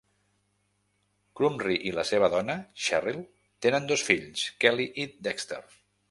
Krumrie i la seva dona, Cheryl, tenen dos fills, Kelly i Dexter.